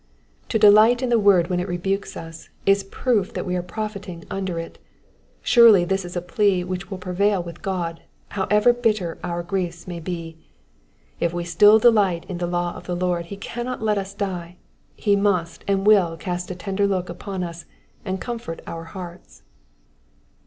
To delight in the word when it rebukes us, is proof that we are profiting under it. Surely this is a plea which will prevail with God, however bitter our griefs may be ; if we still delight in the law of the Lord he cannot let us die, he must and will cast a tender look upon us and comfort our hearts.